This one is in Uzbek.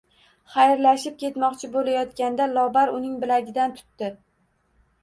Xayrlashib ketmoqchi bo`layotganda Lobar uning bilagidan tutdi